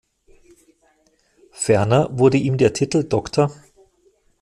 Ferner wurde ihm der Titel „Dr.